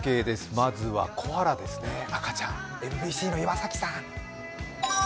まずはコアラですね、赤ちゃん、ＭＢＣの岩崎さん。